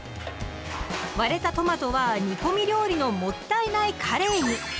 割れたトマトは煮込み料理の「もったいないカレー」に！